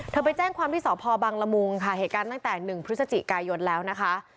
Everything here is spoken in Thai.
ไปแจ้งความที่สพบังละมุงค่ะเหตุการณ์ตั้งแต่๑พฤศจิกายนแล้วนะคะ